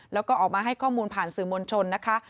แล้วก็ออกมาให้ข้อมูลผ่านสื่อมวลชนนะคะ